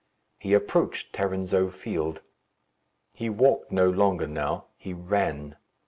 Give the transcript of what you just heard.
He approached Tarrinzeau Field. He walked no longer now; he ran.